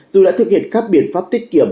dù đã thực hiện các biện pháp tiết kiệm